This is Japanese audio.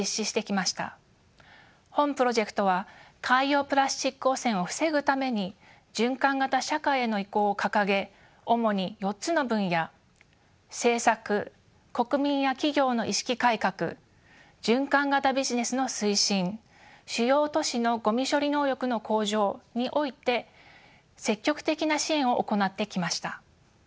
本プロジェクトは海洋プラスチック汚染を防ぐために循環型社会への移行を掲げ主に４つの分野「政策」「国民や企業の意識改革」「循環型ビジネスの推進」「主要都市のごみ処理能力の向上」において積極的な支援を行ってきました。